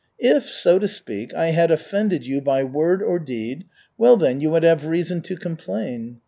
If, so to speak, I had offended you by word or deed, well, then you would have reason to complain.